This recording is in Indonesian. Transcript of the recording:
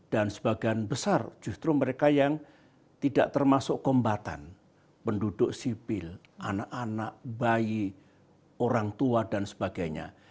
dan sebagian besar justru mereka yang tidak termasuk kombatan penduduk sipil anak anak bayi orang tua dan sebagainya